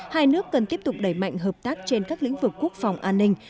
hai nước cần tiếp tục đẩy mạnh hợp tác trên các lĩnh vực quốc phòng an ninh